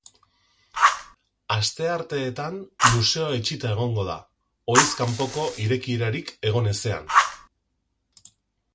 Astearteetan, museoa itxita egongo da, ohiz kanpoko irekierarik egon ezean.